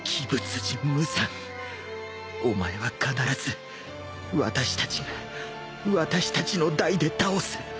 無惨お前は必ず私たちが私たちの代で倒す！